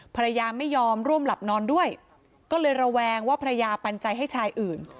ภรรยาไม่ยอมร่วมหลับนอนด้วยก็เลยระแวงว่าภรรยาปันใจให้ชายอื่น